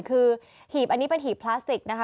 คือหีบอันนี้เป็นหีบพลาสติกนะคะ